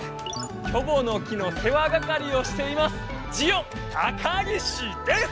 キョボの木の世話係をしていますジオタカギシです！